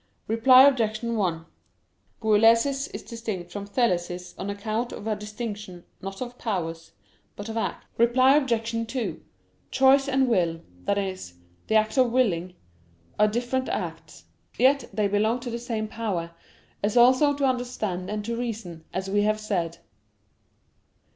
Reply Obj. 1: Boulesis is distinct from thelesis on account of a distinction, not of powers, but of acts. Reply Obj. 2: Choice and will that is, the act of willing are different acts: yet they belong to the same power, as also to understand and to reason, as we have said.